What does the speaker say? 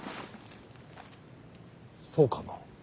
そうかな。